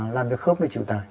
làm cho khớp chịu tài